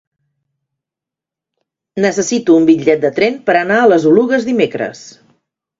Necessito un bitllet de tren per anar a les Oluges dimecres.